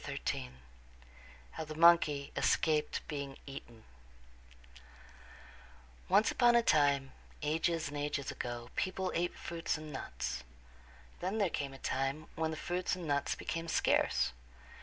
XIII How the Monkey Escaped Being Eaten Once upon a time, ages and ages ago, people ate fruits and nuts. Then there came a time when the fruits and nuts became scarce.